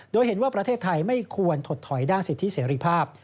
โดยเห็นว่าประเทศไทยไม่ควรถดถอยด้านสิทธิเสรีภาพ